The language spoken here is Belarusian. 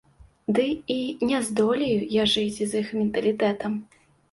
Ды і не здолею я жыць з іх менталітэтам.